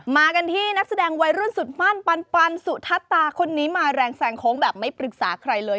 มากันที่นักแสดงวัยรุ่นสุดมั่นปันสุทัศตาคนนี้มาแรงแซงโค้งแบบไม่ปรึกษาใครเลย